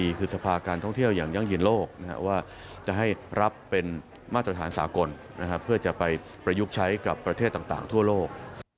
คือสภาการท่องเที่ยวอย่างยั่งยืนโลกว่าจะให้รับเป็นมาตรฐานสากลเพื่อจะไปประยุกต์ใช้กับประเทศต่างทั่วโลก